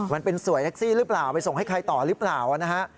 มันเป็นสวยแท็กซี่หรือเปล่าไปส่งให้ใครต่อหรือเปล่านะฮะ